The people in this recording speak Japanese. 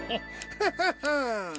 フフフン。